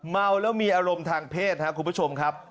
เมาแล้วมีอารมณ์ทางเพศครับคุณผู้ชมครับ